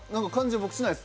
僕はしないです。